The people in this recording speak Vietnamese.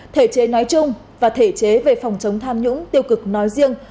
thể chế nói chung và thể chế về phòng chống tham nhũng tiêu cực nói riêng